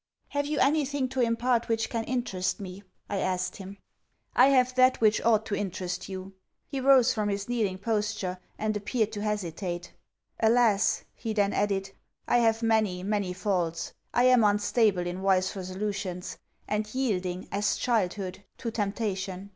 'Have you any thing to impart which can interest me?' I asked him. 'I have that which ought to interest you.' He rose from his kneeling posture, and appeared to hesitate. 'Alas,' he then added, 'I have many many faults! I am unstable in wise resolutions; and yielding, as childhood, to temptation.